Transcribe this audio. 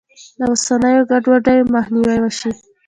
له اوسنیو ګډوډیو مخنیوی وشي.